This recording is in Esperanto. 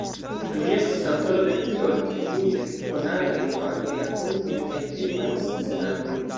Li estis aŭtoro de pli ol kvindek konataj romanoj, rakontoj kaj filmaj scenaroj.